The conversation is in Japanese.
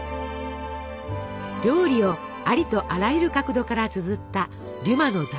料理をありとあらゆる角度からつづったデュマの「大料理事典」。